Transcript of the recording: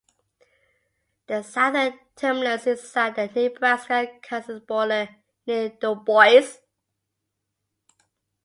The southern terminus is at the Nebraska-Kansas border near Du Bois.